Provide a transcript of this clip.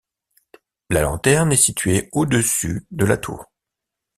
La lanterne est située au-dessus de la tour.